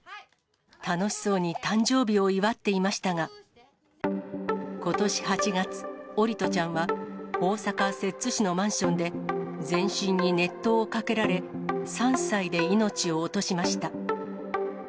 楽しそうに誕生日を祝っていましたが、ことし８月、桜利斗ちゃんは、大阪・摂津市のマンションで、全身に熱湯をかけられ、３歳で命を落としました。